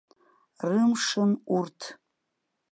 Рымшын урҭ.